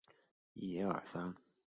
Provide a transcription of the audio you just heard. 图卢兹勒沙托人口变化图示